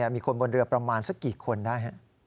มีคนบนเรือประมาณสักกี่คนได้